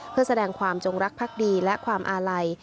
เพื่อแสดงความจงรักภักดีและความอาลัย